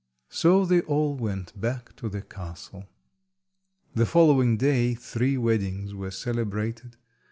So they all went back to the castle. The following day three weddings were celebrated.